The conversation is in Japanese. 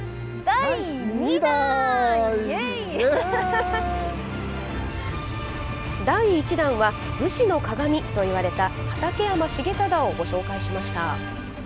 第１弾は武士のかがみといわれた畠山重忠をご紹介しました。